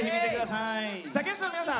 ゲストの皆さん